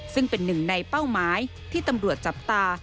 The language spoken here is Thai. ซึ่งเป็นหนึ่งในเป้าหมายที่ตำรวจจับตา